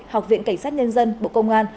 học viện cảnh sát nhân dân bộ công an